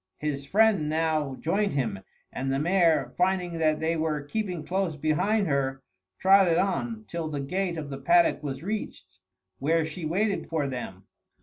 His friend now joined him, and the mare, finding that they were keeping close behind her, trotted on till the gate of the paddock was reached, where she waited for them.